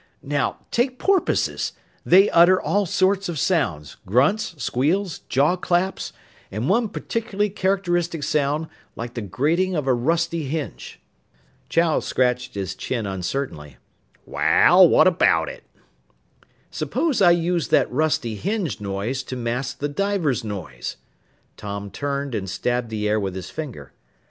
"Now, take porpoises. They utter all sorts of sounds grunts, squeals, jawclaps and one particularly characteristic sound, like the grating of a rusty hinge." Chow scratched his chin uncertainly. "Wal, what about it?" "Suppose I used that rusty hinge noise to mask the diver's noise." Tom turned and stabbed the air with his finger.